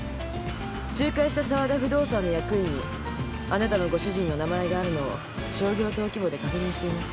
仲介した澤田不動産の役員にあなたのご主人の名前があるのを商業登記簿で確認しています。